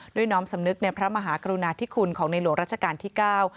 น้อมสำนึกในพระมหากรุณาธิคุณของในหลวงรัชกาลที่เก้า